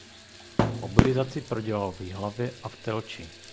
Mobilizaci prodělal v Jihlavě a Telči.